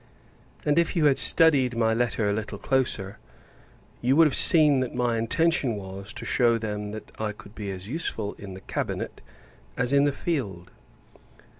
And, if you had studied my letter a little closer, you would have seen that my intention was, to shew them that I could be as useful in the cabinet as in the field.